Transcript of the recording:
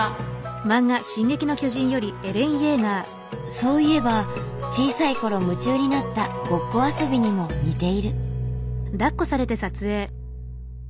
そういえば小さい頃夢中になったごっこ遊びにも似ている。